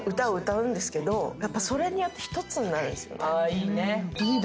いいね。